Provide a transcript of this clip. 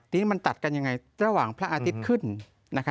ทีนี้มันตัดกันยังไงระหว่างพระอาทิตย์ขึ้น